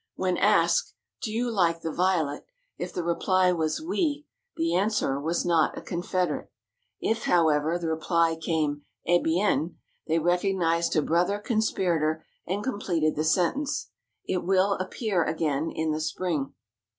When asked, "Do you like the Violet?" if the reply was "Oui" the answerer was not a confederate. If, however, the reply came, "Eh, bien," they recognized a brother conspirator and completed the sentence, "It will appear again in the spring."